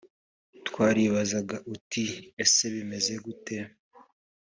twaribazaga tuti “ese bimeze gute?”